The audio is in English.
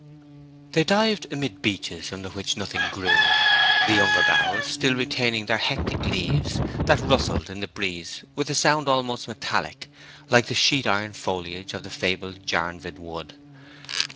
They dived amid beeches under which nothing grew, the younger boughs still retaining their hectic leaves, that rustled in the breeze with a sound almost metallic, like the sheet iron foliage of the fabled Jarnvid wood.